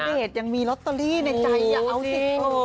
ระดับณเดชยังมีลอตเตอรี่ในใจเอาจริง